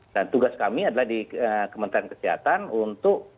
dan tugas kami adalah di kementerian kesehatan untuk